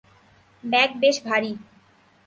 Bag বেশ ভারী।